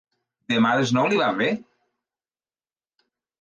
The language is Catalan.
Demà a les nou li va bé?